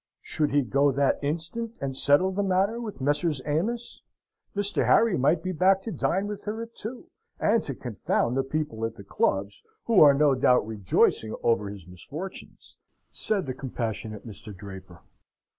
Should he go that instant and settle the matter with Messrs. Amos? Mr. Harry might be back to dine with her at two, and to confound the people at the clubs, "who are no doubt rejoicing over his misfortunes," said the compassionate Mr. Draper.